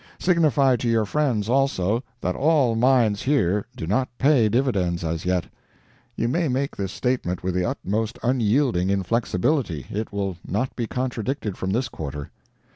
Signify to your friends, also, that all the mines here do not pay dividends as yet; you may make this statement with the utmost unyielding inflexibility—it will not be contradicted from this quarter.